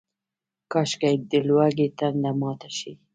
کاشکي، د لوږې تنده ماته شي